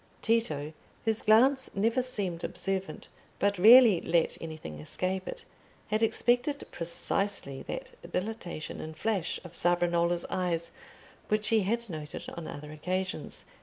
Tito, whose glance never seemed observant, but rarely let anything escape it, had expected precisely that dilatation and flash of Savonarola's eyes which he had noted on other occasions.